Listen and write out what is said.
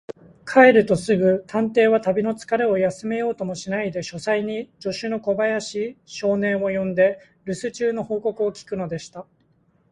帰るとすぐ、探偵は旅のつかれを休めようともしないで、書斎に助手の小林少年を呼んで、るす中の報告を聞くのでした。